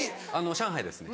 上海ですね。